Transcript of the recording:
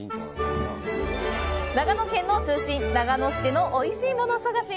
長野県の中心、長野市でのおいしいもの探し！